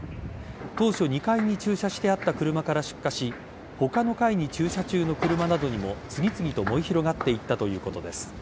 当初、２階に駐車してあった車から出火し他の階に駐車中の車などにも次々と燃え広がっていったということです。